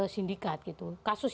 sindikat gitu kasus